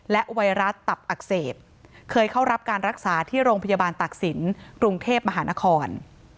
ไวรัสตับอักเสบเคยเข้ารับการรักษาที่โรงพยาบาลตากศิลป์กรุงเทพมหานคร